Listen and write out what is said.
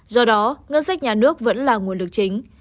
do đó ngân sách nhà nước vẫn là nguồn lực chính